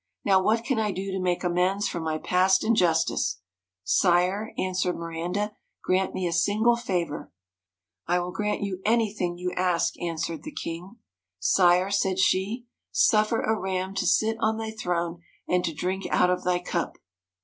Now what can I do to make amends for my past injustice ?' 'Sire,' answered Miranda, 'grant me a single favour !'' I will grant you anything you ask,' answered the king. 'Sire!' said she, 'suffer a Ram to sit on thy throne, and to drink out of thy cup.'